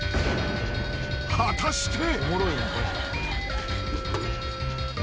［果たして］